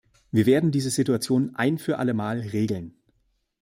Wir werden diese Situation ein für alle Mal regeln.